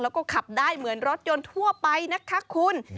แล้วก็ขับได้เหมือนรถยนต์ทั่วไปนะคะคุณ